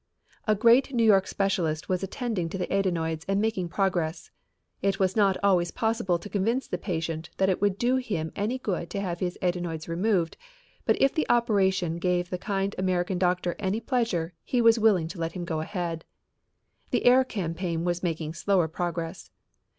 A great New York specialist was attending to the adenoids and making progress. It was not always possible to convince the patient that it would do him any good to have his adenoids removed, but if the operation gave the kind American doctor any pleasure he was willing to let him go ahead. The air campaign was making slower progress.